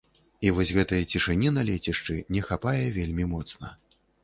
І вось гэтай цішыні на лецішчы не хапае вельмі моцна.